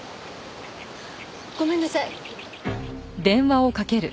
ごめんなさい！